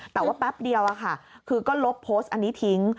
แต่ว่าแป๊บเดียวคือก็ลบโพสต์อันนี้ทิ้ง